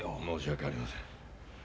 申し訳ありません。